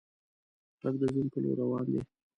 هلک د ژوند په لور روان دی.